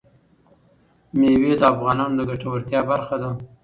مېوې د افغانانو د ګټورتیا برخه ده.